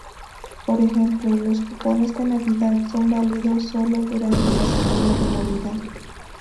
Por ejemplo, los cupones de Navidad son válidos sólo durante la semana de Navidad.